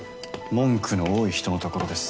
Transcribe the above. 文句の多い人のところです。